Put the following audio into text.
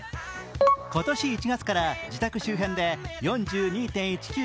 今年１月から、自宅周辺で４２．１９５ｋｍ。